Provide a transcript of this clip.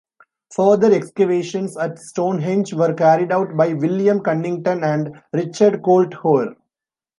Further excavations at Stonehenge were carried out by William Cunnington and Richard Colt Hoare.